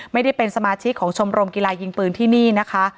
ไม่ได้เป็นสมาชิกของชมรมกีฬายิงปืนที่นี่นะคะ